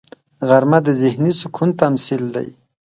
غرمه د ذهني سکون تمثیل دی